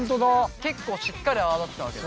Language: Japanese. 結構しっかり泡立てたわけだ。